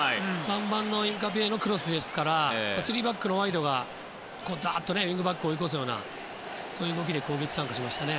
３番のインカピエのクロスですから３バックのワイドがウィングバックを追い越すようなそういう動きで攻撃参加しましたね。